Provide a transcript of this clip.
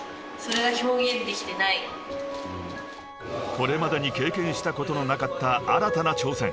［これまでに経験したことのなかった新たな挑戦］